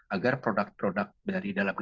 agar produk produknya bisa berjalan dengan lebih baik